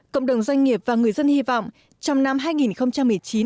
cộng đồng doanh nghiệp và người dân hy vọng trong năm hai nghìn một mươi chín